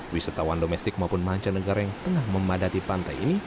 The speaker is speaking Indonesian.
wisatawan domestik maupun mancanegara yang tengah memadati pantai ini